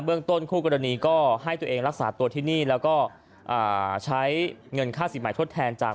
เรื่องต้นคู่กรณีก็ให้ตัวเองรักษาตัวที่นี่แล้วก็ใช้เงินค่าสินใหม่ทดแทนจาก